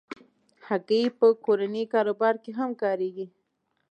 هګۍ په کورني کاروبار کې هم کارېږي.